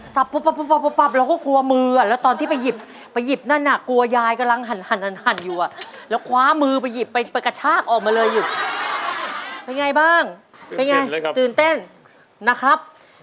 ถ้าพร้อมแล้วเริ่มครับ